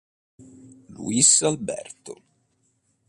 Luís Alberto